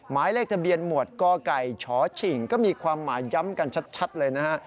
หมายเลขทะเบียนหมวดกไก่ชฉิงก็มีความหมายย้ำกันชัดเลยนะฮะ